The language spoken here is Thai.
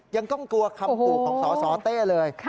ยังต้องกลัวคำขู่ของสสเต้เลย